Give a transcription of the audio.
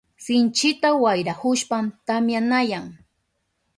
Sinchita wayrahushpan tamyanayan.